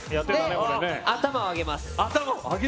頭を上げます。